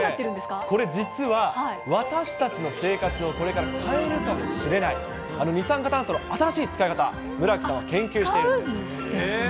これ、実は、私たちの生活をこれから変えるかもしれない、二酸化炭素の新しい使い方、村木さんは研究してるんですね。